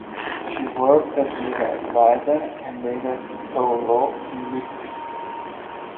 She worked as legal adviser and later taught law in Leipzig.